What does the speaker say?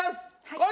はい。